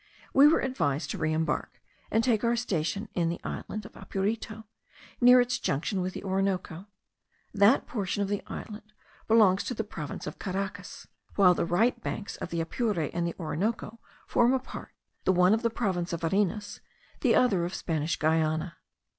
We were advised to re embark, and take our station in the island of Apurito, near its junction with the Orinoco. That portion of the island belongs to the province of Caracas, while the right banks of the Apure and the Orinoco form a part, the one of the province of Varinas, the other of Spanish Guiana.